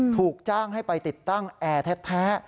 ถูกจ้างให้ไปติดตั้งแอร์แท้